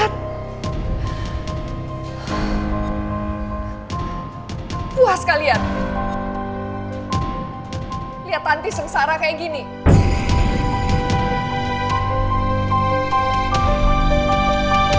teman tanti mah kayak gini deh